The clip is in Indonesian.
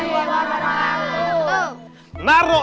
hanya ada tuan crowatan